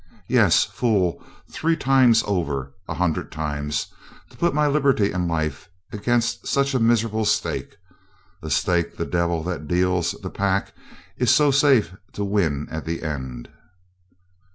Yes, fool, three times over a hundred times to put my liberty and life against such a miserable stake a stake the devil that deals the pack is so safe to win at the end.